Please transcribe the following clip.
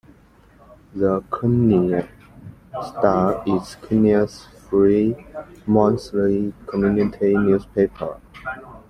The "Kenner Star" is Kenner's free monthly community newspaper.